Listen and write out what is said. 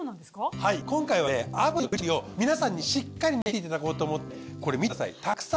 はい今回はね炙輪のクリーン調理を皆さんにしっかりね見ていただこうと思ってこれ見てください。